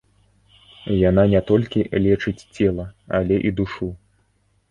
Яна не толькі лечыць цела, але і душу.